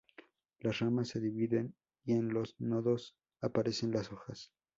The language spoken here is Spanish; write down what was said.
Las ramas se dividen y en los nodos aparecen las hojas.